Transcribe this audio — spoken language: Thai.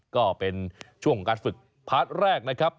ก็เป็นช่วงการฝึกพาร์ทแรกนะครับ